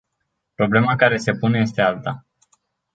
Problema care se pune este alta.